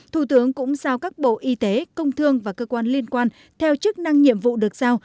thủ tướng cũng giao các bộ y tế công thương và cơ quan liên quan theo chức năng nhiệm vụ được giao